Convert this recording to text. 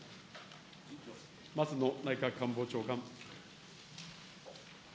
松野内閣官房長官。